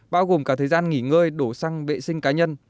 bao gồm cả thời gian nghỉ ngơi đổ xăng vệ sinh cá nhân